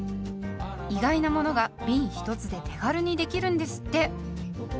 意外なものがびん１つで手軽にできるんですって。